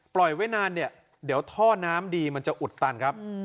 ไว้นานเนี่ยเดี๋ยวท่อน้ำดีมันจะอุดตันครับ